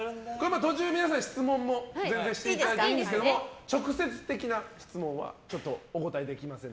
途中、皆さん、質問も全然していただいていいんですが直接的な質問はお答えできません。